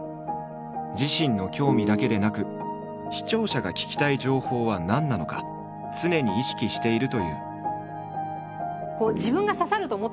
自身の興味だけでなく視聴者が聞きたい情報は何なのか常に意識しているという。